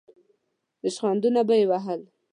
ریشخندونه به یې وهل.